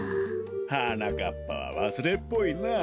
はなかっぱはわすれっぽいなあ。